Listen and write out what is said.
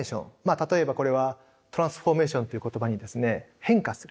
例えばこれはトランスフォーメーションという言葉にですね変化する。